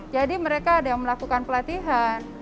jadi mereka ada yang melakukan pelatihan